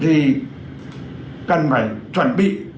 thì cần phải chuẩn bị